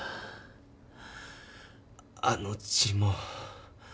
あの血も。